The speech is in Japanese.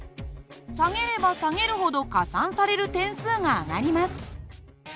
下げれば下げるほど加算される点数が上がります。